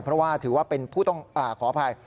เพราะว่าถือว่าเป็นผู้ต้องขออภัย